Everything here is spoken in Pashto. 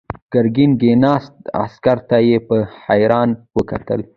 ګرګين کېناست، عسکر ته يې په حيرانۍ وکتل.